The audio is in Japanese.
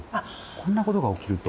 こんなことが起きると。